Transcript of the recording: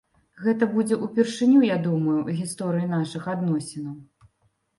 Гэта будзе ўпершыню, я думаю, у гісторыі нашых адносінаў.